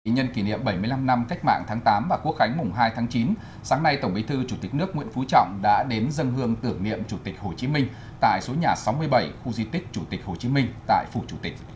nhân kỷ niệm bảy mươi năm năm cách mạng tháng tám và quốc khánh mùng hai tháng chín sáng nay tổng bí thư chủ tịch nước nguyễn phú trọng đã đến dân hương tưởng niệm chủ tịch hồ chí minh tại số nhà sáu mươi bảy khu di tích chủ tịch hồ chí minh tại phủ chủ tịch